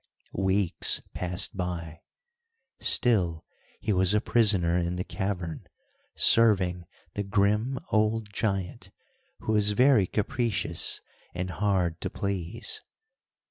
Weeks passed by! Still he was a prisoner in the cavern, serving the grim old giant, who was very capricious, and hard to please.